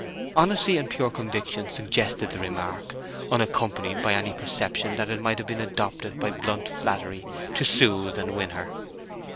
Honesty and pure conviction suggested the remark, unaccompanied by any perception that it might have been adopted by blunt flattery to soothe and win her.